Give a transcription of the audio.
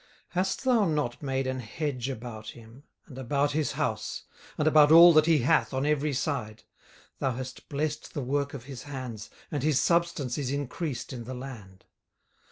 18:001:010 Hast not thou made an hedge about him, and about his house, and about all that he hath on every side? thou hast blessed the work of his hands, and his substance is increased in the land.